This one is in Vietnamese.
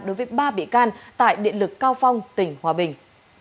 đối với ba bị can tại điện lực cao phong tỉnh hòa bình